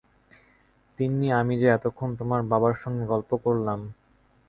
তিন্নি, আমি যে এতক্ষণ তোমার বাবার সঙ্গে গল্প করলাম।